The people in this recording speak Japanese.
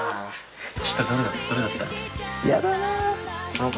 ちょっとどれだったの？